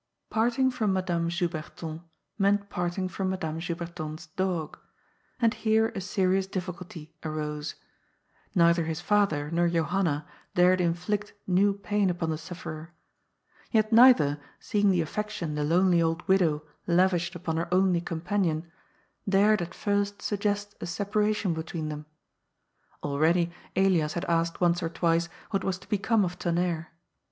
Parting from Madame Juberton meant parting from Madame Juberton's dog. And here a serious difficulty arose. Neither his father nor Johanna dared inflict new pain upon the sufllerer. Yet neither, seeing the afllection the lonely old widow lavished upon her only companion, THUNDER STORMa 49 dared at first saggest a separation between them. Already Elias had asked once or twice what was to become of Ton nerre.